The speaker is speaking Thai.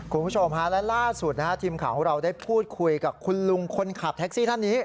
คุณผู้ชมฮะและล่าสุดนะฮะทีมข่าวของเราได้พูดคุยกับคุณลุงคนขับแท็กซี่ท่านนี้